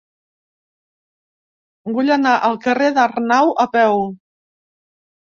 Vull anar al carrer d'Arnau a peu.